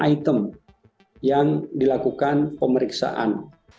item yang dilakukan pemeriksaan